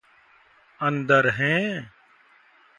अंदर हैं।